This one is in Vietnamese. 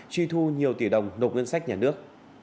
truy thu nhiều tỷ đồng nộp ngân sách nhà nước